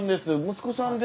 息子さんで？